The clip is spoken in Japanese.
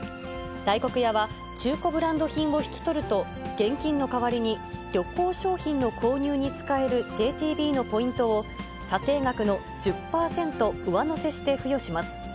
大黒屋は、中古ブランド品を引き取ると、現金の代わりに、旅行商品の購入に使えるＪＴＢのポイントを、査定額の１０％上乗せして付与します。